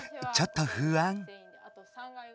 ちょっとふあん。